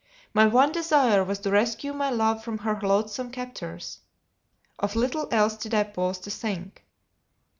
My one desire was to rescue my love from her loathsome captors; of little else did I pause to think.